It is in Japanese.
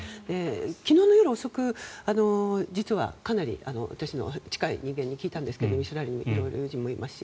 昨日の夜遅く実はかなり私の近い人間に聞いたんですがイスラエルに色々友人もいますし。